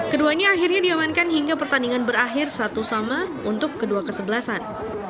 keduanya akhirnya diamankan hingga pertandingan berakhir satu sama untuk kedua kesebelasan